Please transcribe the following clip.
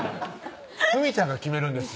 ふみちゃんが決めるんですよ